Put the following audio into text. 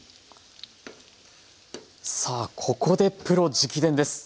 さあここでプロ直伝です。